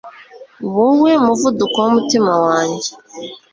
wowe muvuduko w'umutima wanjye